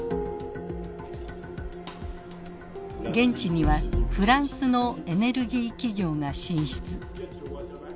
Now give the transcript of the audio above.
現地にはフランスのエネルギー企業が進出。